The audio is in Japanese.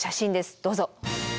どうぞ。